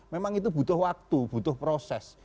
memang itu butuh waktu butuh proses